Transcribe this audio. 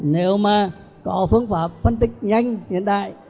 nếu mà có phương pháp phân tích nhanh hiện đại